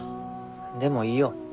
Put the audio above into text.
でもいいよ。